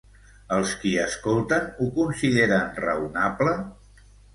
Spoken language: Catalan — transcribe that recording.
Els qui escolten ho consideren raonable?